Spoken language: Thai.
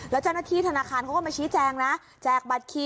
แล้วเจ้าหน้าที่ธนาคารเขาก็มาชี้แจงนะ